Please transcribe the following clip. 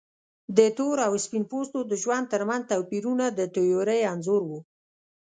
د تور او سپین پوستو د ژوند ترمنځ توپیرونه د تیورۍ انځور و.